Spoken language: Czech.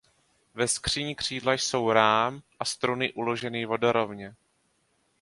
Ve skříni křídla jsou rám a struny uloženy vodorovně.